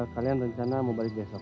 kalian rencana mau balik besok